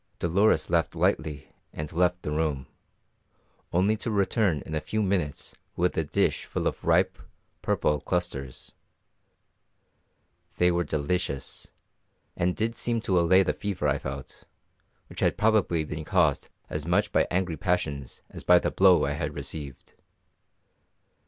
Dolores laughed lightly and left the room, only to return in a few minutes with a dish full of ripe, purple clusters. They were delicious, and did seem to allay the fever I felt, which had probably been caused as much by angry passions as by the blow I had received.